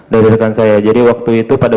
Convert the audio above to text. dari rekan saya jadi waktu itu pada